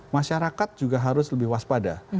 masyarakat juga harus lebih waspada